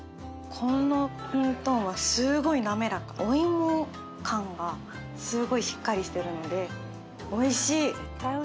このきんとんはすごいなめらかおいも感がすごいしっかりしてるのでおいしいっ